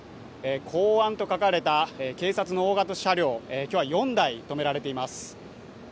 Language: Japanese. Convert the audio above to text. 公安と書かれた警察の大型車両、今日は４台止められています。